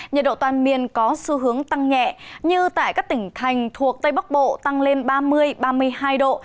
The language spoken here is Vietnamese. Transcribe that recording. nhiệt độ toàn miền có xu hướng tăng nhẹ như tại các tỉnh thành thuộc tây bắc bộ tăng lên ba mươi ba mươi hai độ